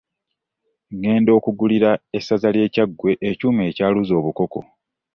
Egenda okugulira essaza ly'e Kyaggwe ekyuma ekyaluza obukoko.